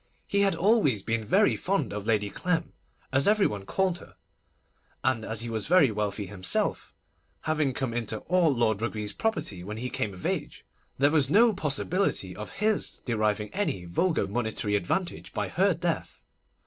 He had always been very fond of Lady Clem, as every one called her, and as he was very wealthy himself, having come into all Lord Rugby's property when he came of age, there was no possibility of his deriving any vulgar monetary advantage by her death.